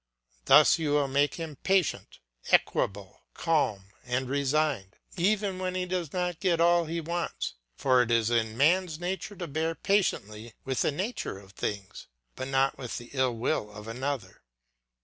Thus you will make him patient, equable, calm, and resigned, even when he does not get all he wants; for it is in man's nature to bear patiently with the nature of things, but not with the ill will of another.